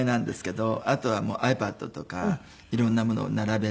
あとはｉＰａｄとか色んなものを並べて。